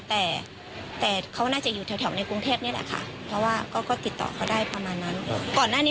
แต่เขาน่าจะอยู่แถวในกรุงเทพนี่แหละค่ะเพราะว่าก็ติดต่อเขาได้ประมาณนั้นก่อนหน้านี้